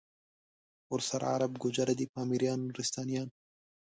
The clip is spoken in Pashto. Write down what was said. ورسره عرب، گوجر دی پامیریان، نورستانیان